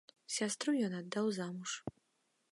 Сястру ён аддаў замуж.